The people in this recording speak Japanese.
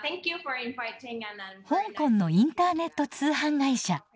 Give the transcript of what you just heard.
香港のインターネット通販会社。